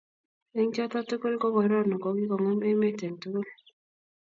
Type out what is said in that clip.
eng choto tugul ko korona ko kikongem emet eng tungul